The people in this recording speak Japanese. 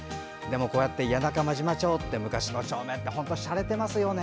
こうやって谷中真島町って昔の町名ってしゃれてますよね。